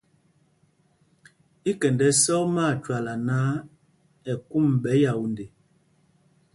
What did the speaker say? Í kɛnd ɛ́sɔ́k mi Átwôla náǎ, ɛ kûm ɓɛ Yaunde.